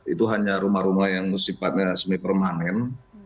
itu hanya rumah rumah yang sifatnya semi permanen